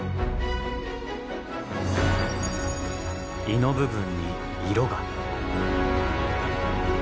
胃の部分に色が。